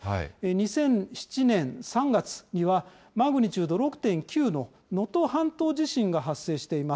２００７年３月には、マグニチュード６．９の能登半島地震が発生しています。